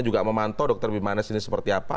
juga memantau dokter bimanes ini seperti apa